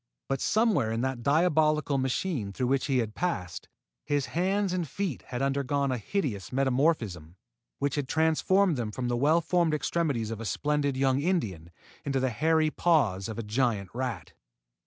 But, somewhere in that diabolical machine through which he had passed, his hands and feet had undergone a hideous metamorphism which had transformed them from the well formed extremities of a splendid young Indian into the hairy paws of a giant rat!